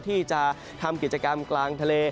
ที่จะทำกิจกรรมกลางทะเล